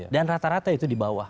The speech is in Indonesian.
dan rata rata itu di bawah